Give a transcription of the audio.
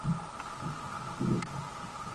凯特波。